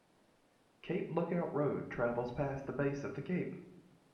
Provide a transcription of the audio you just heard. Cape Lookout Road travels past the base of the cape.